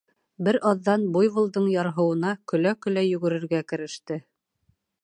Бер аҙҙан буйволдың ярһыуына көлә-көлә йүгерергә кереште.